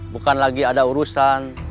bukan lagi ada urusan